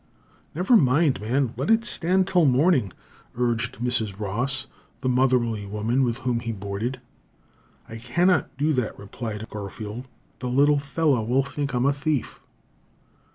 "Never mind, man! Let it stand till morning," urged Mrs. Ross, the motherly woman with whom he boarded. "I cannot do that," replied Garfield; "the little fellow will think I am a thief."